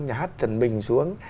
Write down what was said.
nhà hát trần bình xuống